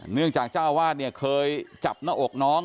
เนื่องจากเจ้าอาวาสเนี่ยเคยจับหน้าอกน้อง